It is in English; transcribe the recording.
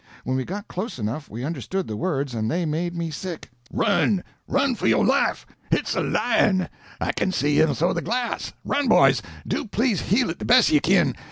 When we got close enough, we understood the words, and they made me sick: "Run! Run fo' yo' life! Hit's a lion; I kin see him thoo de glass! Run, boys; do please heel it de bes' you kin.